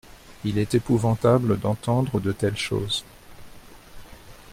Il est épouvantable d’entendre de telles choses.